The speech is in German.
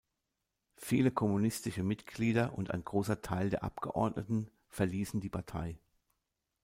Viele kommunistische Mitglieder und ein großer Teil der Abgeordneten verließen die Partei.